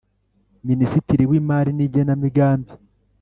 Minisitiri w Imari n Igenamigambi